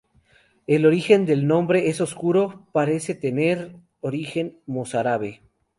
El origen del nombre es oscuro, parece tener origen mozárabe.